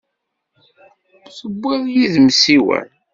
Tewwiḍ yid-m ssiwan?